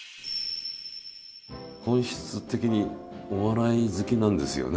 本質的にお笑い好きなんですよね？